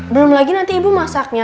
belum lagi nanti ibu masaknya